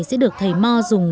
sẽ được thầy mò dùng